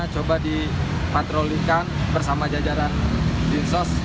coba dipatrolikan bersama jajaran dinsos